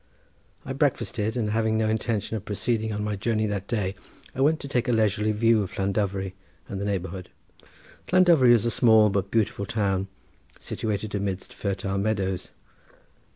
I breakfasted, and having no intention of proceeding on my journey that day, I went to take a leisurely view of Llandovery and the neighbourhood. Llandovery is a small but beautiful town, situated amidst fertile meadows.